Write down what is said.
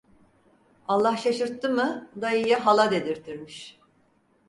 Allah şaşırttı mı, dayıya hala dedirtirmiş.